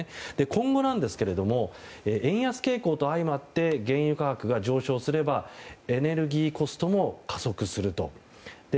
今後ですが円安傾向と相まって原油価格が上昇すればエネルギーコストも加速すると。